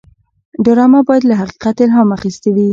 ډرامه باید له حقیقت الهام اخیستې وي